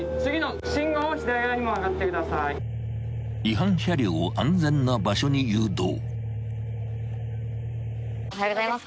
［違反車両を安全な場所に誘導］